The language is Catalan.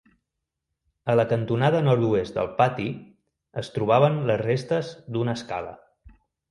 A la cantonada nord-oest del pati es trobaven les restes d'una escala.